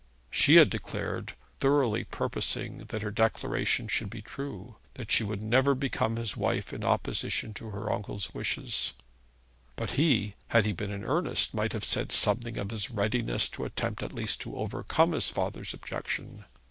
She had declared thoroughly purposing that her declaration should be true that she would never become his wife in opposition to her uncle's wishes; but he, had he been in earnest, might have said something of his readiness to attempt at least to overcome his father's objection.